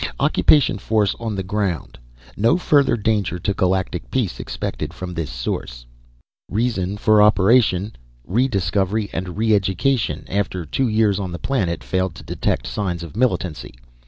Occupation force on the ground. No further danger to Galactic peace expected from this source. Reason for operation: Rediscovery & Re education after two years on the planet failed to detect signs of militancy.